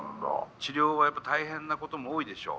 治療はやっぱ大変なことも多いでしょう。